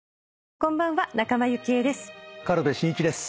こんばんは仲間由紀恵です。